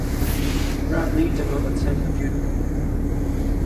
Bradley did not attend the funeral.